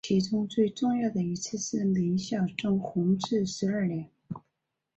其中最重要的一次是明孝宗弘治十二年。